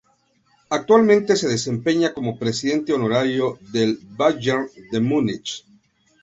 Actualmente se desempeña como presidente honorario del Bayern de Múnich.